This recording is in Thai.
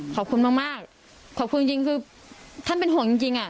ขอบคุณมากมากขอบคุณจริงจริงคือท่านเป็นห่วงจริงจริงอ่ะ